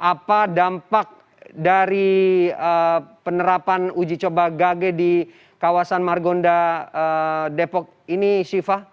apa dampak dari penerapan uji coba gage di kawasan margonda depok ini syifa